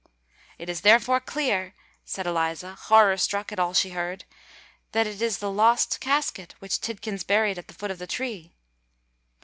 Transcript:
"It is therefore clear," said Eliza, horror struck at all she heard, "that it is the lost casket which Tidkins buried at the foot of the tree."